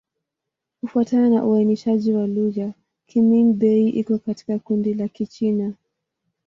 Kufuatana na uainishaji wa lugha, Kimin-Bei iko katika kundi la Kichina.